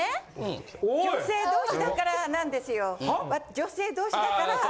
女性同士だから。